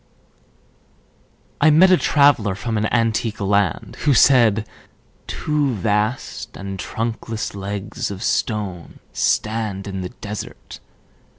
I met a traveller from an antique land Who said: "Two vast and trunkless legs of stone Stand in the desert.